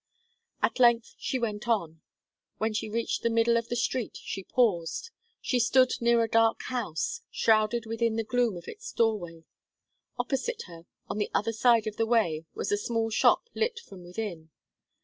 At length she went on. When she reached the middle of the street she paused; she stood near a dark house, shrouded within the gloom of its doorway. Opposite her, on the other side of the way, was a small shop lit from within.